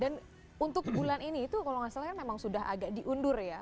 dan untuk bulan ini itu kalau nggak salah kan memang sudah agak diundur ya